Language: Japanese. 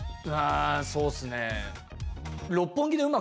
そうっすね。